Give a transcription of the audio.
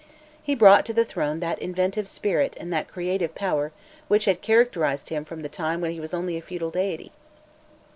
He brought to the throne that inventive spirit and that creative power which had characterized him from the time when he was only a feudal deity.